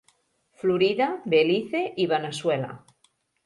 Florida, Belize i Veneçuela.